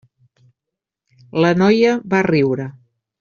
La noia va riure.